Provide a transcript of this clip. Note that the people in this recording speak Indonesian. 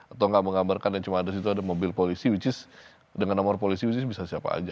atau enggak menggambarkan yang cuma ada mobil polisi which is dengan nomor polisi bisa siapa aja